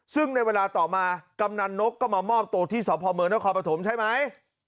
ซึ่งในเวลาต่อมากำนันนกก็มามอบตัวที่สพเมืองนครปฐมใช่ไหม